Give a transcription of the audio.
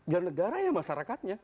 ya negara ya masyarakatnya